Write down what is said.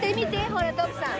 ほら徳さん。